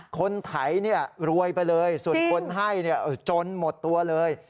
ไถรวยไปเลยส่วนคนให้จนหมดตัวเลย